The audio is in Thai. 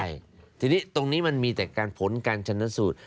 ใช่ทีนี้ตรงนี้มันมีแต่การผลการชนสูตร